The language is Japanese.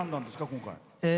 今回。